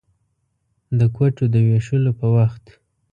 د کوټو د وېشلو په وخت.